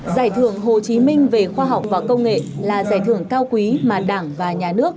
giải thưởng hồ chí minh về khoa học và công nghệ là giải thưởng cao quý mà đảng và nhà nước